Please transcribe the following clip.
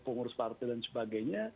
pengurus partai dan sebagainya